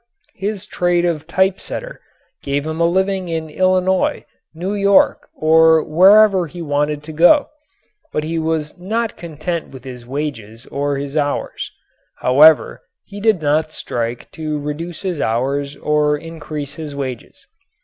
His trade of typesetter gave him a living in Illinois, New York or wherever he wanted to go, but he was not content with his wages or his hours. However, he did not strike to reduce his hours or increase his wages.